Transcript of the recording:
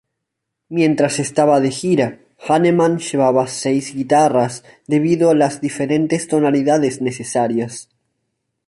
Mientras estaba de gira, Hanneman llevaba seis guitarras debido a las diferentes tonalidades necesarias.